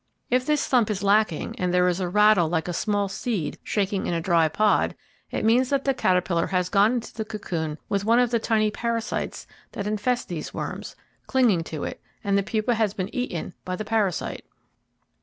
If this thump is lacking, and there is a rattle like a small seed shaking in a dry pod, it means that the caterpillar has gone into the cocoon with one of the tiny parasites that infest these worms, clinging to it, and the pupa has been eaten by the parasite.